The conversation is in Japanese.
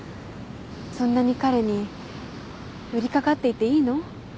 そんなに彼に寄りかかっていていいの？